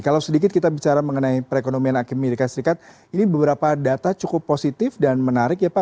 kalau sedikit kita bicara mengenai perekonomian amerika serikat ini beberapa data cukup positif dan menarik ya pak